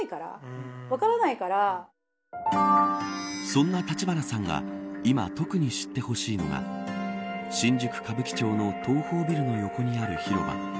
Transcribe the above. そんな橘さんが今、特に知ってほしいのが新宿、歌舞伎町の東宝ビルの横にある広場